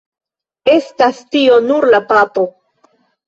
Estas tio nur la papo!